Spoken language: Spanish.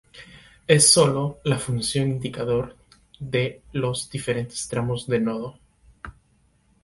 Es sólo la función indicador de los diferentes tramos de nodo.